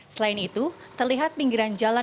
selain itu terlihat pinggiran jalan yang bergelombang